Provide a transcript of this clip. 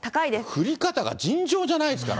降り方が尋常じゃないですから。